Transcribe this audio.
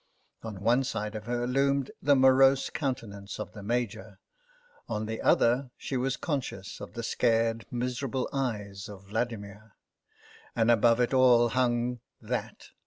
On one side of her loomed the morose countenance of the Major, on the other she was conscious of the scared, miser able eyes of Vladimir. And above it all hung that.